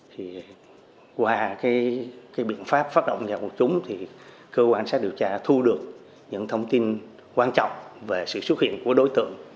thì qua cái biện pháp phát động giả của chúng thì cơ quan sát điều tra thu được những thông tin quan trọng về sự xuất hiện của đối tượng